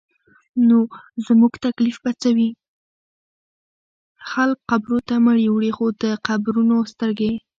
خلک قبرو ته مړي وړي خو ته قبرونه سترګې